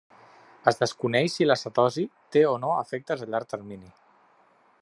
Es desconeix si la cetosi té o no efectes a llarg termini.